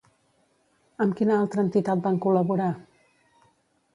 Amb quina altra entitat van col·laborar?